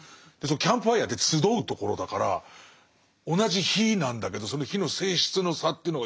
キャンプファイヤーって集うところだから同じ火なんだけどその火の性質の差というのがよく出てますね